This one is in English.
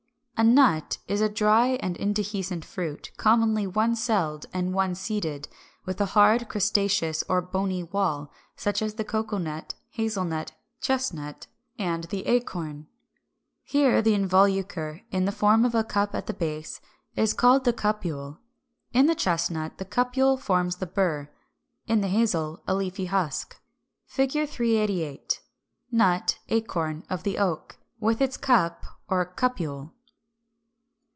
364. =A Nut= is a dry and indehiscent fruit, commonly one celled and one seeded, with a hard, crustaceous, or bony wall, such as the cocoa nut, hazelnut, chestnut, and the acorn (Fig. 37, 388.) Here the involucre, in the form of a cup at the base, is called the CUPULE. In the Chestnut the cupule forms the bur; in the Hazel, a leafy husk. [Illustration: Fig. 388. Nut (acorn) of the Oak, with its cup or cupule.